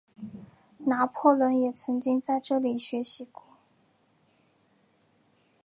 拿破仑也曾经在这里学习过。